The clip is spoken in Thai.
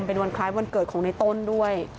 เป็นวันคล้ายวันเกิดของในต้นด้วย